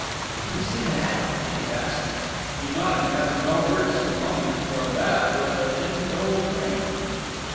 "Do you see that?" she asked. He nodded, having no words for the moment, for "that" was a thin gold ring.